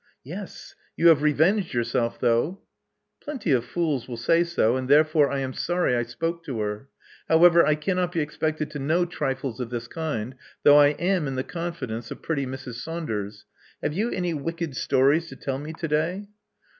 Yes. You have revenged yourself, though." Plenty of fools will say so; and therefore I am sorry I spoke to her. However, I cannot be expected to know trifles of this kind, though I am in the con fidence of pretty Mrs. Saunders. Have you any wicked stories to tell me to day?"